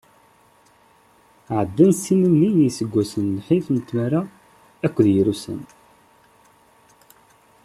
Ɛeddan ssin-nni n iseggasen n lḥif, n tmara akked yir ussan.